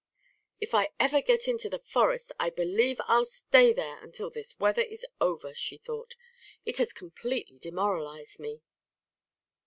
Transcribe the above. "If I ever get into the forest, I believe I'll stay there until this weather is over," she thought. "It has completely demoralised me."